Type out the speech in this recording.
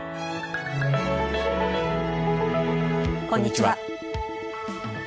こんにちは。